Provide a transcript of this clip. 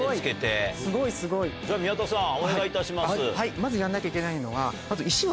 まずやんなきゃいけないのが。